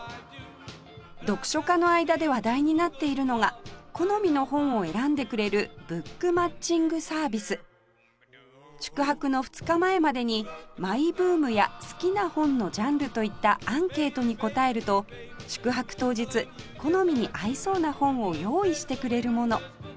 読書家の間で話題になっているのが好みの本を選んでくれるブックマッチングサービス宿泊の２日前までにマイブームや好きな本のジャンルといったアンケートに答えると宿泊当日好みに合いそうな本を用意してくれるもの